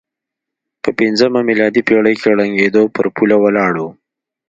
په پځمه میلادي پېړۍ کې ړنګېدو پر پوله ولاړ و.